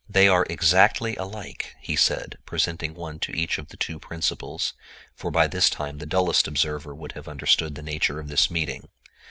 "They are exactly alike," he said, presenting one to each of the two principals—for by this time the dullest observer would have understood the nature of this meeting.